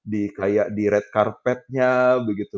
di kayak di red karpetnya begitu